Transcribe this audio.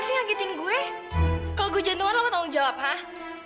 nih anggitin gue kalo gue jentuhan lo mau tanggung jawab hah